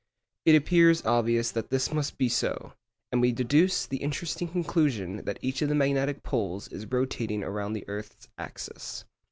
It appears obvious that this must be so, and we deduce the interesting conclusion that each of the magnetic poles is rotating around the earth's axis.